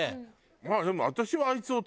まあでも。